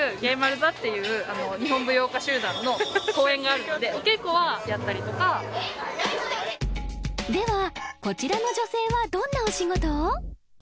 ○座っていう日本舞踊家集団の公演があるのでお稽古はやったりとかではこちらの女性はどんなお仕事を？